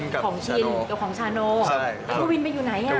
กะวินไปอยู่ไหน